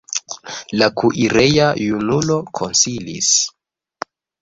La kuireja junulo konsilis.